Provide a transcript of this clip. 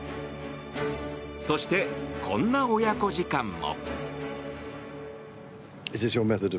そして、こんな親子時間も。